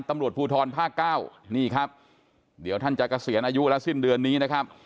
ตำรวจภูทรภาคเก้านี่ครับเดี๋ยวท่านจะเกษียณอายุแล้วสิ้นเดือนนี้นะครับ